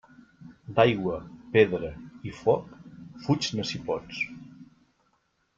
D'aigua, pedra i foc, fuig-ne si pots.